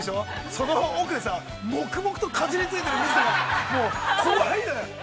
その奥でさ、黙々とかじりついている水田さん、怖いのよ。